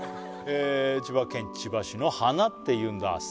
千葉県千葉市のハナっていうんださん